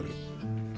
masih akan makin sulit